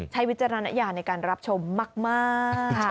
วิจารณญาณในการรับชมมาก